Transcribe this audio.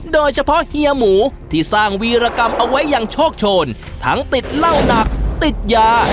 เฮียหมูที่สร้างวีรกรรมเอาไว้อย่างโชคโชนทั้งติดเหล้าหนักติดยา